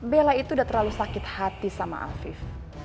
bella itu udah terlalu sakit hati sama afif